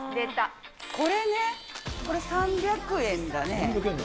これね、これ３００円だね。